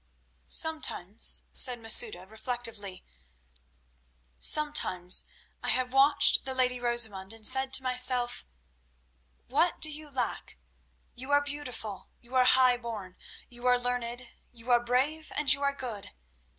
"Sometimes," said Masouda reflectively, "sometimes I have watched the lady Rosamund, and said to myself, 'What do you lack? You are beautiful, you are highborn, you are learned, you are brave, and you are good.